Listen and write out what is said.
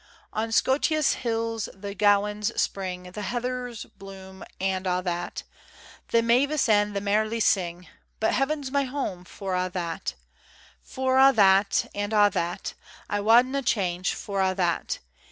On Scotia's hills the gowans spring, The heather blooms, and a' that; The mavis and the merlé sing, But Heaven's my home for a' that For a' that, and a' that. I wadna' change for a' that.